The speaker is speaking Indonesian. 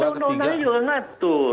karena undang undangnya juga nggak ngatur